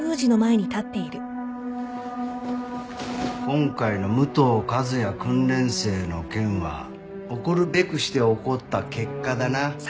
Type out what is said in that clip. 今回の武藤一哉訓練生の件は起こるべくして起こった結果だな。